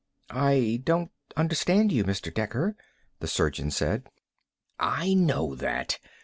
"I don't understand you, Mr. Dekker," the surgeon said. "I know that!